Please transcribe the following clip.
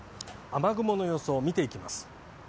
雨雲の予想を見ていきます。